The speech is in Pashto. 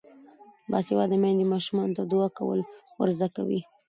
باسواده میندې ماشومانو ته دعا کول ور زده کوي.